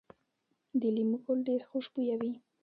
د لیمو ګل ډیر خوشبويه وي؟